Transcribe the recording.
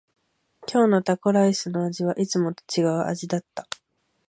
今日のタコライスの味はいつもと違う味だった。